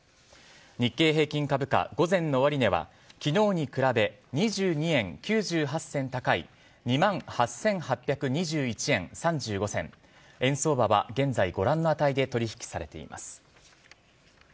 日経平均株価午前の終値は昨日に比べ２２円９８銭高い２万８８２１円３５銭円相場は現在ご覧の値で取引されています。